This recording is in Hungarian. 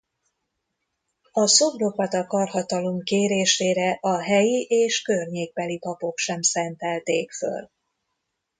A szobrokat a karhatalom kérésére a helyi és környékbeli papok sem szentelték föl.